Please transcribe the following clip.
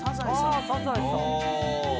あサザエさん。